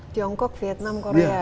tiongkok vietnam korea ya